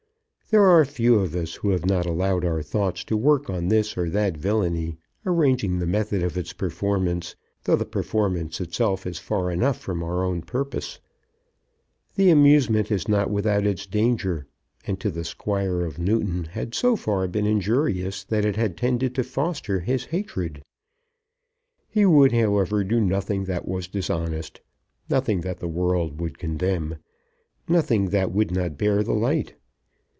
There are few of us who have not allowed our thoughts to work on this or that villany, arranging the method of its performance, though the performance itself is far enough from our purpose. The amusement is not without its danger, and to the Squire of Newton had so far been injurious that it had tended to foster his hatred. He would, however, do nothing that was dishonest, nothing that the world would condemn, nothing that would not bear the light.